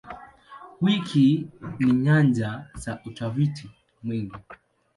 Wiki ni nyanja za utafiti mwingi.